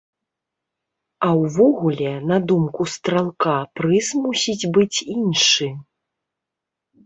А ўвогуле, на думку стралка, прыз мусіць быць іншы.